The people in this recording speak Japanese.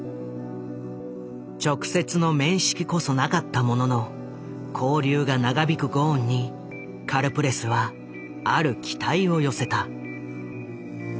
直接の面識こそなかったものの勾留が長引くゴーンにカルプレスはある期待を寄せた。